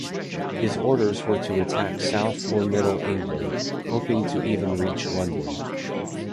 His orders were to attack south or middle England hoping to even reach London.